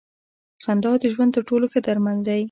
خندا د ژوند تر ټولو ښه درمل دی.